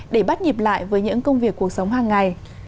để bắt nhịp lại với những công việc cuộc sống hàng ngày